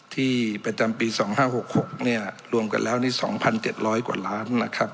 ที่ประจำปีสองห้าหกหกเนี่ยรวมกันแล้วนี่สองพันเจ็ดร้อยกว่าหลานนะครับ